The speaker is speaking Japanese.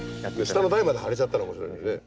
下の台まで貼れちゃったら面白いのにね。